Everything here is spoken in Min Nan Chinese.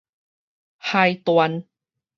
海端